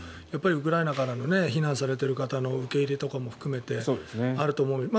やっぱりウクライナからの避難されている方の受け入れとかも含めてあると思う。